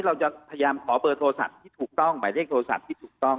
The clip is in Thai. เราจะพยายามขอเบอร์โทรศัพท์ที่ถูกต้องหมายเลขโทรศัพท์ที่ถูกต้อง